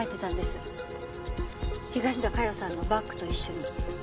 東田加代さんのバッグと一緒に。